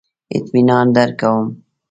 اطمینان درکوم.